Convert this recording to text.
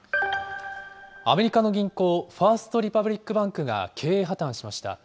アメリカの銀行、ファースト・リパブリック・バンクが経営破綻しました。